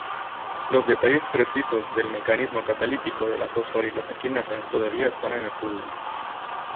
Los detalles precisos del mecanismo catalítico de la fosforilasa quinasa todavía están en estudio.